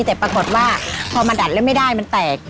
แต่ปรากฏว่าพอมาดัดแล้วไม่ได้มันแตก